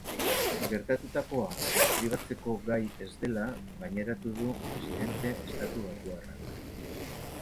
Gertatutakoa deskribatzeko gai ez dela gaineratu du presidente estatubatuarrak.